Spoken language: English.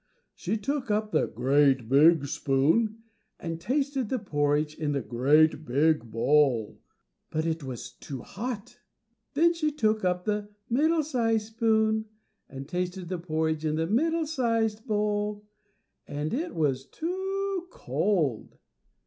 She took up the GREAT BIG SPOON, and tasted the porridge in the GREAT BIG BOWL, but it was too hot. Then she took up the +middle sized spoon+ and tasted the porridge in the +middle sized bowl+, and it was too cold.